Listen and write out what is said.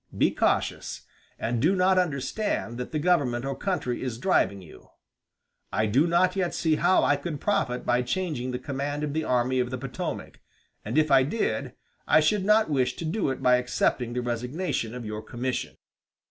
Be cautious, and do not understand that the government or country is driving you. I do not yet see how I could profit by changing the command of the Army of the Potomac; and if I did, I should not wish to do it by accepting the resignation of your commission."